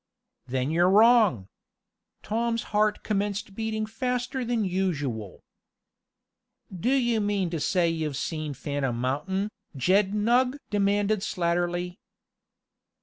"Then you're wrong!" Tom's heart commenced beating faster than usual. "Do you mean to say you've seen Phantom Mountain, Jed Nugg?" demanded Slatterly.